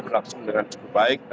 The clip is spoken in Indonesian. berlangsung dengan cukup baik